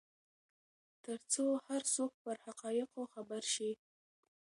ترڅو هر څوک پر حقایقو خبر شي.